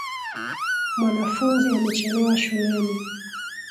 Mwanafunzi amechelewa shuleni.